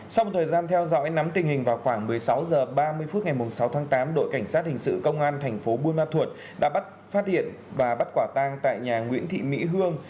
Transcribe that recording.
sau thời gian theo dõi nắm tình hình vào khoảng một mươi sáu h ba mươi phút ngày sáu tháng tám đội cảnh sát hình sự công an thành phố buôn ma thuột đã bắt phát hiện và bắt quả tang tại nhà nguyễn thị mỹ hương